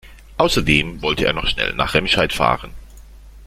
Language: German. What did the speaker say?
Außerdem wollte er noch schnell nach Remscheid fahren